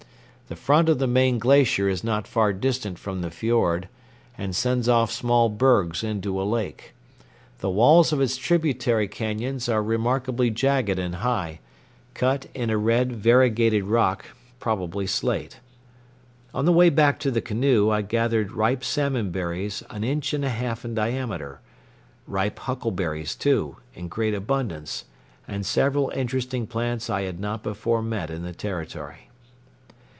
The front of the main glacier is not far distant from the fiord, and sends off small bergs into a lake. The walls of its tributary cañons are remarkably jagged and high, cut in a red variegated rock, probably slate. On the way back to the canoe I gathered ripe salmon berries an inch and a half in diameter, ripe huckleberries, too, in great abundance, and several interesting plants I had not before met in the territory.